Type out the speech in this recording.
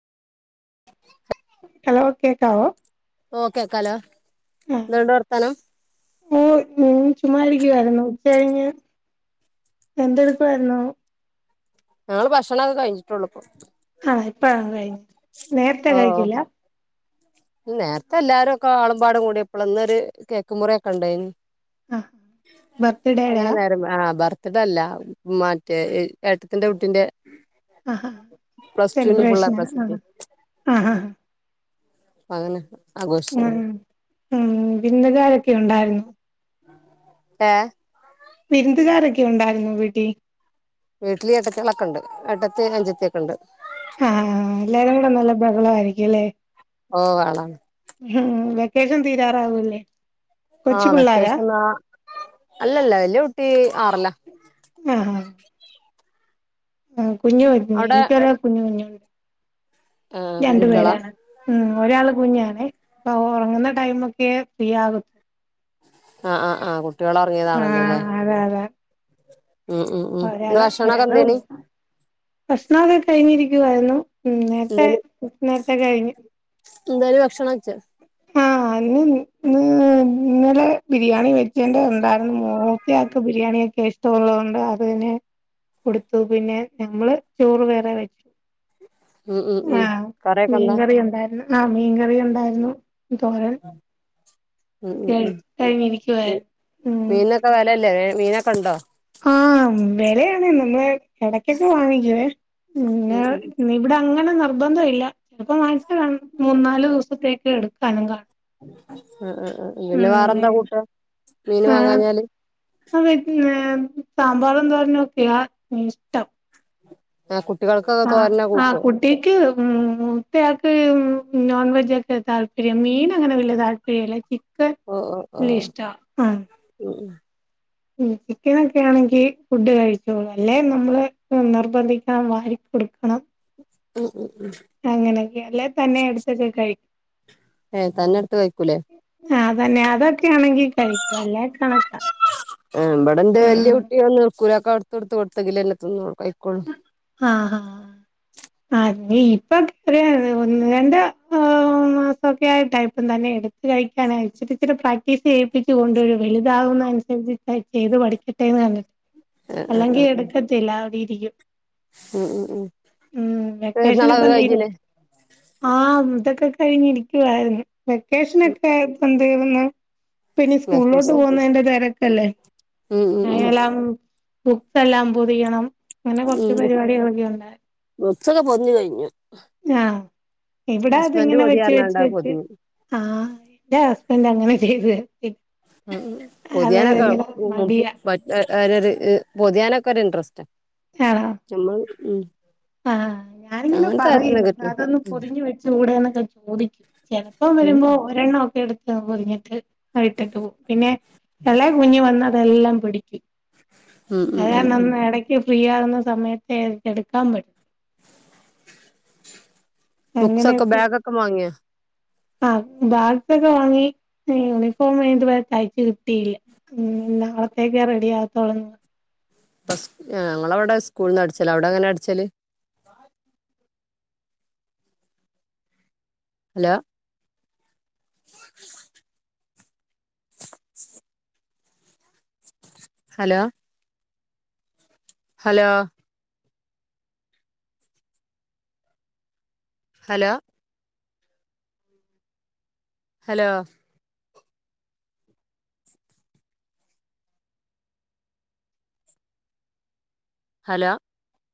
Hello കേക്കാവോ ഓ കേക്കാലോ ആഹ് എന്തുണ്ട് വർത്താനം ഓ ഹ് മ്.. ചുമ്മാരിക്കാ യിരുന്നു ഉച്ചയിഞ്ഞ് എന്തെടുപ്പായിരുന്നു ഞങ്ങള് ഭക്ഷണൊക്കെ കഴിഞ്ട്ടൊള്ളൂപ്പൊ ആഹ് ഇപ്പഴാണ് കഴിഞ്ഞ് നേരത്തെ ഓ.. കഴിക്കില്ല ഉം നേരത്തെ ല്ലാരുക്കെ ആളു പാടും കൂട്യേപ്പള് ഇന്നൊര് കേക്കുമുറ്യേക്കെണ്ടായിനി ആഹ് അങ്ങനെ ബർത്ത്ഡേയുടെയാ നേരം പോയ്‌ ആ ഹ് ബർത്ത്ഡേല്ല മറ്റേ എ ഏട്ടത്തിന്റെ കുട്ടിന്റെ ആഹ് പ്ലസ്റ്റുന് ഫുള്ളേപ്ലസിറ്റീറ്റ് അ.. ആ.. ഹ് അതെന്നെ മ്.. മ് ബിന്ന്ലാരൊക്കെ ണ്ടായിര്ന്നു ഏ.. വിരുന്തുകാരൊക്കെ ഉണ്ടായിര്ന്നൊവീട്ടി വീട്ടില് ഏട്ടത്യേളക്കണ്ട് ഏട്ടത്തി ഒര ഞ്ചത്തൊക്കെണ്ട് ഹാ. ഹ് എല്ലാരും കൂടെ നല്ല ബഹളാ യിരിക്കുല്ലേ ഓ ബഹള ഹും.. വെക്കേഷം തീരാറാവൂല്ലേ കൊച്ചു ആഹ് പിള്ളാരാ വെക്കേഷം ന്നാ അല്ലല്ല വല്യേ കുട്ടി ആറില മ്. ഹാ അവിടെ [unintelligible] ആ രണ്ടു കുഞ്ഞുകുട്ടികളാ പേരാണ്. ഉം ഒരാൾ കുഞ്ഞാണേ പ്പൊ ഉറങ്ങുന്ന ടൈമൊക്കെ ഫ്രീ ആവും. ആ ആ ആ കുട്ടികളൊറങ്ങിയതാണല്ലോ ല്ലേ? ആഹ് അതെ അതെ ഉം ഇന്ന് ഒരാള് ഭക്ഷണൊക്കെ ഒരാളെ എന്തേനി ഒള്ളു. ഭക്ഷണോക്കെ കഴിഞ്ഞിരിക്കുവായിരുന്നു ഉം നേരത്തെ എന്തേനി നേരത്തെ കഴിഞ്ഞു. [unintelligible] ആഹ് അയിന് ഉം ന്നലെ ബിരിയാണി വെചേന്റെ ഒണ്ടാര്ന്നു. മൂത്തയാക്ക് ബിരിയാണിയൊക്കെ ഇഷ് ട്ടൊള്ളൊണ്ട് അവന് കൊടുത്തു. പിന്നെ നമ്മള് ചോറ് വേറെ വെച്ച്. ഉം ഉം ഉം ആഹ കറിയൊക്കെ എന്താ മീൻകറിയുണ്ടായിരുന്നു ആഹ മീൻകറി ഒണ്ടായിരുന്നു. തോരൻ ഉം ഉം ഉം [unintelligible] ഉം ഒക്കെ വെലല്ലേ മീനൊക്കെണ്ടോ? ആഹ് വെലയാണ് നമ്മള് ഇടക്കൊക്കെ വാങ്ങിക്കുവേ? ന്നെ ഉം ഉം നി ഇബ്ടെങ്ങനെ നിർബന്ധഇല്ല ചിലപ്പോ വാങ്ങിച മൂന്നാല് ദിവസത്തേക്ക് എടുക്കാനും കാണും. അ അ ആ പിന്നെ ഉം വേറെന്താ കൂട്ടാം മീന് വാങ്ങാഞ്ഞാല്? അവര് ക്ക്‌ ന്നെ സാമ്പാറും തോരനൊക്കെയാ ഇഷ്ടം. ആ കുട്ടികൾക്കൊക്കെ തോരനൊ കെ കൂട്ടോ? കുട്ടിയാക്ക് മൂത്തയാക്ക് നോൺ വെജൊക്കെ താല്പര്യം മീൻ അങ്ങനെ വലിയ താല്പര്യംല്ല. ഇ ക്ക്‌ ലിഷ്ടാ ആ ഉ ഉം മ് ചിക്കനൊക്കെ ആണെങ്കിൽ ഫുഡ് കഴിച്ചോളും അല്ലെ നമ്മള് നിർബന്ധിക്കണം വാരി കൊടുക്കണം. ഓ ഓ ഉം അങ്ങനെയൊക്കെ അല്ലേ തന്നെ എ ടുത്തച്ച് കഴിക്കും. ഏ് തന്നെടുത്ത് കഴിക്കൂലേ? ആഹ് അതന്നെ അതൊക്കൊ ആണെങ്കി കഴിക്കും അല്ലേ കണക്കാ ആഹ് ഇബടെന്റെ ഉം വെല്ല്യേ കുട്ടി ഒന്നും നിക്കൂല ഒക്കെ ഔട്ന്ന് ഇട്ത്ത് കൊടുത്തെങ്കില്ലേ തിന്നോളൂ കഴിക്കൊള്ളൂ. ആഹ് ആഹ് [unintelligible] [unintelligible] ഒന്ന് രണ്ട് മാസം ഒക്കെ ആയിട്ടാ ട്ടയ്പ്പം തന്നെ ഏയ്ര് കഴിക്കാനായി ഇച്ചിരി ഇച്ചിരി പ്രാക്ടീസ് ചെയ്യിപ്പിച്ച് കൊണ്ടു വെരും വലുതാവുന്നതനുസരിച്ച് ചെയ്ത് പഠിക്കട്ടെന്ന് പർഞ്ട്ട് ആഹ് ആഹ് അല്ലെങ്കി ആഹ് എടുക്കത്തില്ല അവിടെ ഇരിക്കും ഉം ഉം ഉം ഉം വെക്കേഷൻ പെര്ന്നാളൊക്കെ ഇപ്പം തീരും കഴിഞ്ഞിലെ? ആഹ് ഇതൊക്കെ കഴിഞ്ഞിരിക്കുവായിരുന്നു ഉം വെക്കേഷനൊക്കെ ആയപ്പോ എന്ത് ഒന്ന് പിന്നെ സ്കൂൾളൊട്ട് വെക്കേഷൻ പോവുന്നതിന്റെ തെരക്കല്ലേ ഉം ഉം ഉം എല്ലാം ബുക്കെല്ലാം പൊതിയണം ങ്ങനെ ഉം പരിപാടികളൊക്കെ ഉണ്ട് ബുക്സൊക്കെ പൊതിഞ്ഞ് കഴിഞ്ഞു ആഹ് ഇവിടെ ഹസ്ബൻഡ് അത്ങ്ങനെ പൊതി വെച്ച് പറഞ്ഞാണ്ട് അത് വെച്ച് പൊതിഞ്ഞ് ആഹ് ഇന്റെ ഹസ്ബന്റ് അങ്ങനെ ചെയ്ത് തരും ഉം അത് പൊതിയാനൊക്കെ ഇങ്ങനെ അവ്ട് ഉം മടിയാ ആരോര് ഹ് പൊതിയാനൊക്കെ ഒരു ഇൻട്രസ്റ്റാ ആഹ് നമ്മള് ഉം ആഹ് ഞാനിങ്ങനെ അങ്ങനത്തെ പറയും കാര്യത്തിനൊക്കെ ഉം അതൊന്ന് പൊതിഞ് വെച്ചുടെന്നൊക്കെ ചോദി എപ്പം ഉം വരുമ്പോ ഒരെണ്ണം ഒക്കെ എട് പൊതിഞ്ഞിട്ട് ഇട്ടിട്ട് പോവും പിന്നെ എളെ കുഞ്ഞ് വന്ന് അതെല്ലാം പിടിക്കും ഉം അത് ഉം ഉം കാരണം ഉം എടക്ക് ഫ്രീ ആകുന്ന സമയത്തേ എടുക്കാൻ പറ്റു അങ്ങനെ ബുക്സൊക്കെ വെച്ച് ബേഗ്ക്കെ വാങ്യൊ? ആഹ് ബാഗ്ക്കെ വാങ്ങി യൂണിഫോം ഇത് വരെ തയ്ച്ചു കിട്ടിയില്ല ഉം നാളത്തേക്കാ റെഡി ആവത്തോളെന്ന് ഫസ് ഞങ്ങളെ ഇവിടെ സ്കൂൾന്ന് അട്ച്ചലാ അവിടെ എങ്ങനെ അടിച്ചല്? Hello hello hello hello hello hello